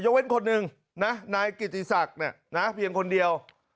เว้นคนหนึ่งนะนายกิติศักดิ์เนี่ยนะเพียงคนเดียว